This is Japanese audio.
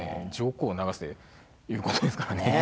上皇を流すっていうことですからね。